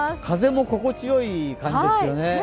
風も心地よい感じですよね。